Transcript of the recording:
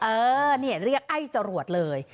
เออเรียกไอจรวดเลย